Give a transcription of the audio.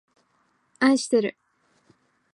あいしてる